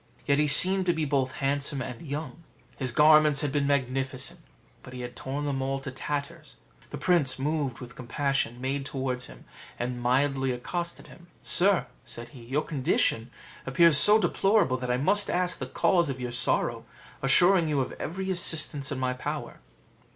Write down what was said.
Yet he seemed to be both handsome and young: his garments had been magnificent, but he had torn them all to tatters. The prince, moved with compassion, made towards him, and mildly accosted him: "Sir," said he, "your condition appears so deplorable, that I must ask the cause of your sorrow, assuring you of every assistance in my power."